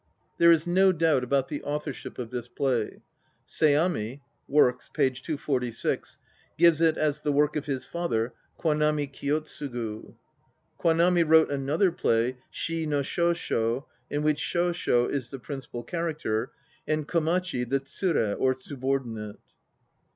2 There is no doubt about the authorship of this play. Seami (Works, p. 246) gives it as the work of his father, Kwanami Kiyotsugu. Kwanami wrote another play, Shii no Shosho? in which Shosho is the principal character and Komachi the tsure or subordinate.